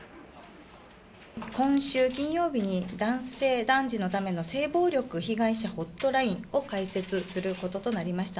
今週金曜日に、男性・男児のための性暴力被害者ホットラインを開設することとなりました。